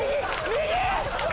右！